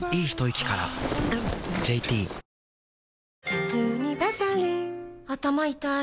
頭痛にバファリン頭痛い